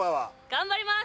頑張ります！